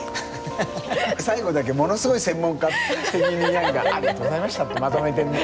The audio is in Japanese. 最後だけものすごい専門家的に何かありがとうございましたってまとめてんね。